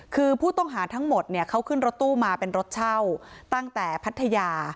คือผู้ต้องหาทั้งหมดเนี่ยเขาขึ้นรถตู้มาเป็นรถเช่าตั้งแต่พัทยา